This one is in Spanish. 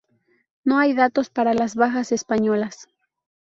No hay datos para las bajas españolas.